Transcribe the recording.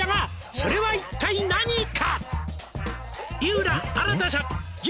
「それは一体何か？」